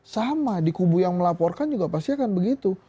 sama di kubu yang melaporkan juga pasti akan begitu